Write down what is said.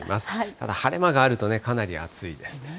ただ、晴れ間があるとね、かなり暑いんです。